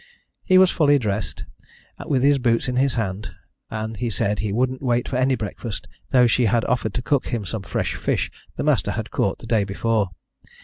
He was fully dressed, with his boots in his hand, and he said he wouldn't wait for any breakfast, though she had offered to cook him some fresh fish the master had caught the day before.